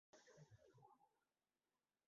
یہ ہماری تاریخ کا ایک دلچسپ اور پر اسرار باب ہے۔